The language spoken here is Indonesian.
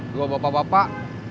dua bopak bopak